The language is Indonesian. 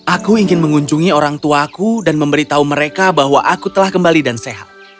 aku ingin mengunjungi orang tuaku dan memberitahu mereka bahwa aku telah kembali dan sehat